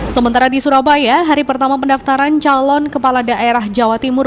sementara di surabaya hari pertama pendaftaran calon kepala daerah jawa timur